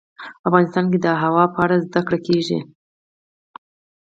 افغانستان کې د هوا په اړه زده کړه کېږي.